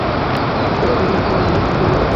কিন্তু, টিকে থাকার স্বার্থেই আমরা কিন্তু চুপ আছি!